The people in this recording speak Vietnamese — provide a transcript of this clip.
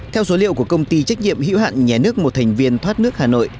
theo số liệu của công ty trách nhiệm hữu hạn nhé nước một thành viên thoát nước hà nội